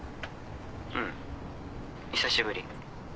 うん久しぶり。